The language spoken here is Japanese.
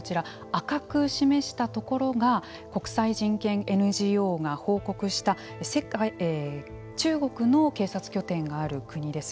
赤く示したところが国際人権ＮＧＯが報告した中国の警察拠点がある国です。